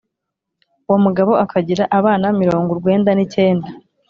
Uwomugabo akagira abana mirongo urwenda n' icyenda